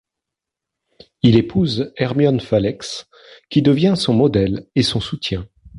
Il épouse Hermione Falex qui devient son modèle et son soutien.